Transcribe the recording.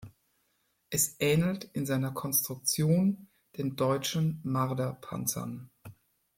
Es ähnelt in seiner Konstruktion den deutschen Marder-Panzern.